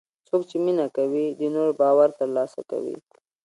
څوک چې مینه کوي، د نورو باور ترلاسه کوي.